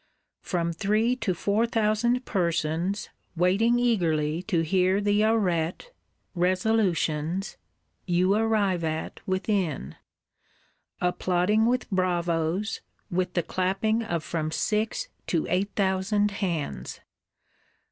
"From three to four thousand persons," waiting eagerly to hear the Arrêtés (Resolutions) you arrive at within; applauding with bravos, with the clapping of from six to eight thousand hands!